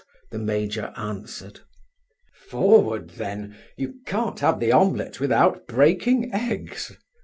the major answered. "Forward, then!... You can't have the omelette without breaking eggs."